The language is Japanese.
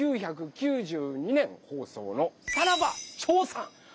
１９９２年放送の「さらばチョーさん」。